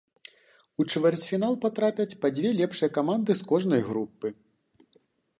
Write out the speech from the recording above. У чвэрцьфінал патрапяць па дзве лепшыя каманды з кожнай групы.